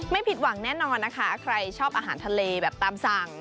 ผิดหวังแน่นอนนะคะใครชอบอาหารทะเลแบบตามสั่ง